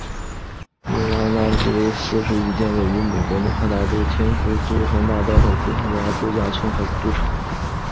永利拉斯维加斯是一间位于美国内华达州天堂市赌城大道上的豪华度假村和赌场。